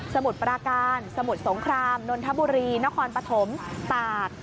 มุดปราการสมุทรสงครามนนทบุรีนครปฐมตาก